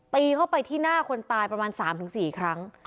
ตีเข้าไปที่หน้าคนตายประมาณสามถึงสี่ครั้ง